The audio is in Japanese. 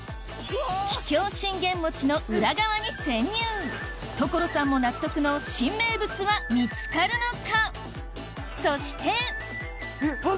桔梗信玄餅の裏側に潜入所さんも納得の新名物は見つかるのか？